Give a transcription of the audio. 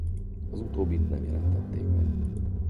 Az utóbbit nem jelentették meg.